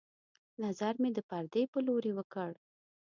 نظر مې د پردې په لورې وکړ